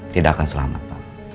tidak akan selamat pak